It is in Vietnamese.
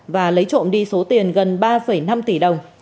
và lấy trộm đi số tiền gần ba năm tỷ đồng